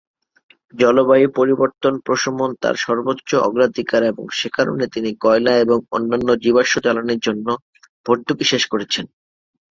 জলবায়ু পরিবর্তন প্রশমন তার সর্বোচ্চ অগ্রাধিকার, এবং সে কারণে তিনি কয়লা এবং অন্যান্য জীবাশ্ম জ্বালানীর জন্য ভর্তুকি শেষ করছেন।